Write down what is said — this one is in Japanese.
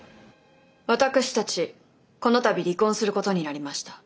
私たちこの度離婚することになりました。